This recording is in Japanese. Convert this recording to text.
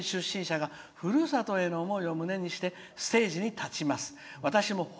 多くの秋田県出身者がふるさとへの思いを胸にしてステージに立ちます。